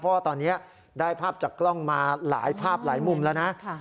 เพราะว่าตอนนี้ได้ภาพจากกล้องมาหลายภาพหลายมุมแล้วนะ